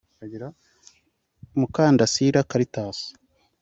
Mukandasira Caritas